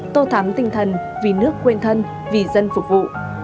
tô thắm tinh thần vì nước quên thân vì dân phục vụ